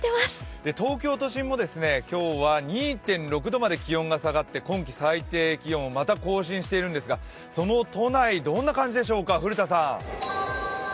東京都心も今日は２．６度まで下がって今季最低気温をまた更新してるんですが、その都内、どんな感じでしょうか、古田さん。